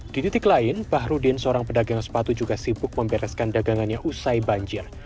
di titik lain bahrudin seorang pedagang sepatu juga sibuk membereskan dagangannya usai banjir